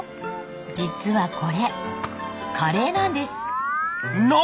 実はこれカレーなんです何！？